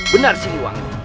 benar sih uang